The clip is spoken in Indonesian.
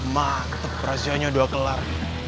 mantap rasanya dua kelar